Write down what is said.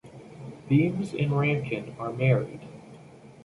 Vimes and Ramkin are married.